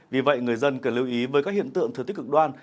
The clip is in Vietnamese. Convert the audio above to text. vì vậy người dân cần lưu ý với các hiện tượng thừa tích cực đoan